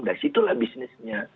dan situlah bisnisnya